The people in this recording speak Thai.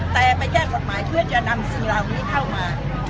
แต่ไปแจ้งกฎหมายเพื่อจะนำสิ่งเหล่านี้เข้ามา